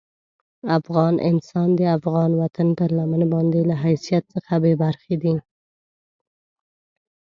افغان انسان د افغان وطن پر لمن باندې له حیثیت څخه بې برخې دي.